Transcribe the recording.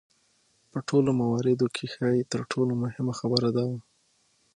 په ټولو مواردو کې ښايي تر ټولو مهمه خبره دا وه.